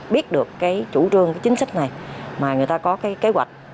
biết được cái chủ trương cái chính sách này mà người ta có cái kế hoạch